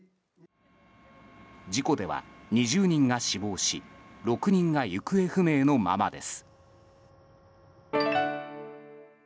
事故では２０人が死亡し６人が行方不明のままです。